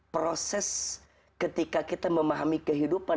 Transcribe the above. proses ketika kita memahami kehidupan